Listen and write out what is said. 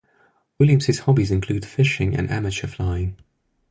Williams' hobbies include fishing and amateur flying.